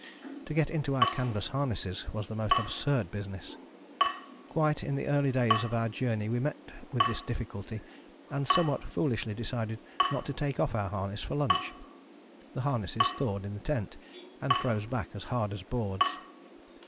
To get into our canvas harnesses was the most absurd business. Quite in the early days of our journey we met with this difficulty, and somewhat foolishly decided not to take off our harness for lunch. The harnesses thawed in the tent, and froze back as hard as boards.